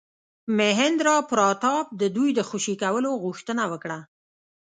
مهیندراپراتاپ د دوی د خوشي کولو غوښتنه وکړه.